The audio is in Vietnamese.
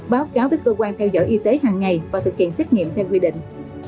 báo cáo với cơ quan theo dõi y tế hàng ngày và thực hiện xét nghiệm theo quy định